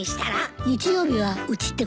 日曜日はうちってこと？